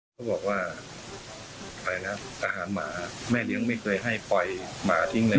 เขาบอกว่าไปแล้วทหารหมาแม่เลี้ยงไม่เคยให้ปล่อยหมาทิ้งเลย